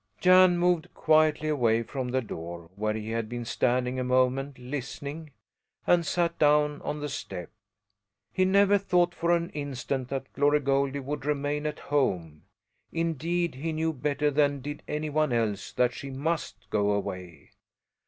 Jan moved quietly away from the door, where he had been standing a moment, listening, and sat down on the step. He never thought for an instant that Glory Goldie would remain at home. Indeed he knew better than did any one else that she must go away.